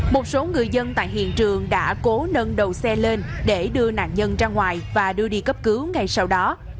một số người dân tại hiện trường đã cố nâng đầu xe lên để đưa nạn nhân ra ngoài và đưa đi cấp cứu ngay sau đó